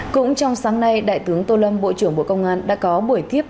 cũng trong sáng nay đại tướng tô lâm bộ trưởng bộ công an đã có buổi tiếp